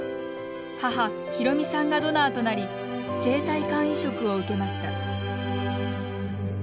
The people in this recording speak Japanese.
母・博美さんがドナーとなり生体肝移植を受けました。